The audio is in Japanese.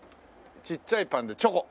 ちっちゃいパンでチョコ！